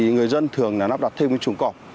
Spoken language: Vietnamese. người dân thường nắp đặt thêm một trùng cọp